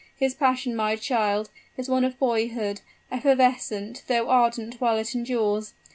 His passion, my child, is one of boyhood evanescent, though ardent while it endures.